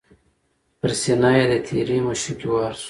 پر سینه یې د تیرې مشوکي وار سو